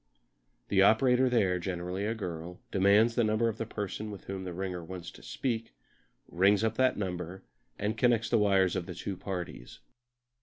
The operator there, generally a girl, demands the number of the person with whom the ringer wants to speak, rings up that number, and connects the wires of the two parties.